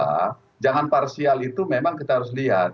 kemudian yang parsial itu memang kita harus lihat